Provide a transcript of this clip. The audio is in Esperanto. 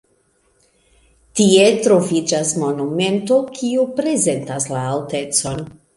Tie troviĝas monumento kiu prezentas la altecon.